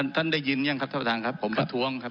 ได้ยินยังครับท่านประธานครับผมประท้วงครับ